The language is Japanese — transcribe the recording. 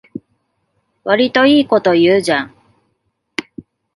わりといいこと言うじゃん